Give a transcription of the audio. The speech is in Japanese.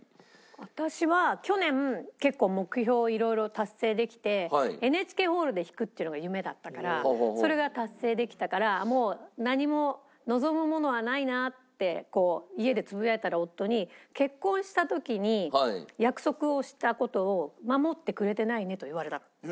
私は去年結構目標を色々達成できてＮＨＫホールで弾くっていうのが夢だったからそれが達成できたから「もう何も望むものはないな」ってこう家でつぶやいたら夫に「結婚した時に約束をした事を守ってくれてないね」と言われたの。